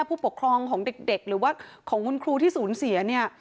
ผู้ปกครองของเด็กหรือว่าของคุณครูที่สูญเสียเนี่ย